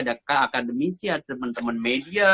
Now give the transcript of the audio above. ada akademisi ada teman teman media